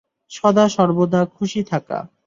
সদ-সর্বদা খুশি থাকা।